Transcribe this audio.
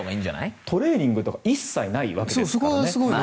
ただ、トレーニングとか一切ないわけですからね。